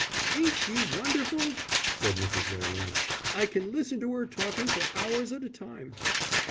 "Ain't she wonderful!" said Mrs. Railing. "I can listen to 'er talking for hours at a time."